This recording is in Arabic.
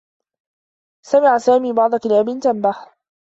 سمع سامي بعض كلاب تنبح.